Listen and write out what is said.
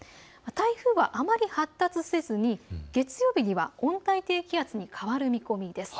台風はあまり発達せずに月曜日には温帯低気圧に変わる見込みです。